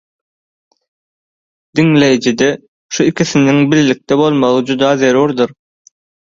Diňleýijide şu ikisiniň bilelikde bolmagy juda zerurdyr.